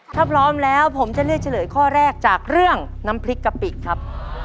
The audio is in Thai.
ถ้าพร้อมแล้วผมจะเลือกเฉลยข้อแรกจากเรื่องน้ำพริกกะปิครับ